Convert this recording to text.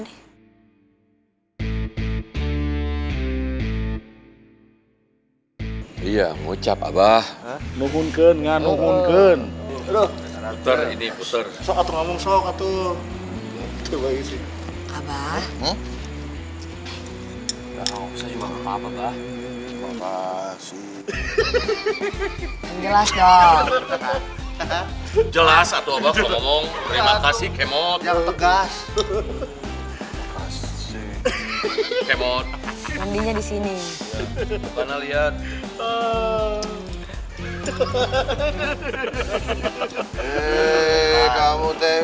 hah aduh aduh aduh